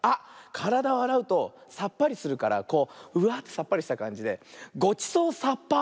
からだをあらうとさっぱりするからこううわってさっぱりしたかんじで「ごちそうさっぱ」ってどう？